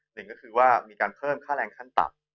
หนึ่งก็คือว่ามีการเพิ่มค่าแรงขั้นต่ำ